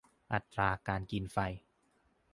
อัตราการกินไฟ